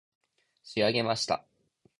仕上げました